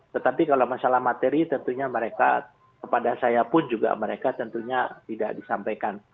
tetapi kalau masalah materi tentunya mereka kepada saya pun juga mereka tentunya tidak disampaikan